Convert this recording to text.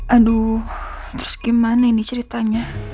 aduh terus gimana ini ceritanya